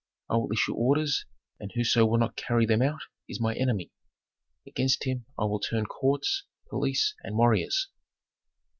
I will issue orders, and whoso will not carry them out is my enemy; against him I will turn courts, police, and warriors."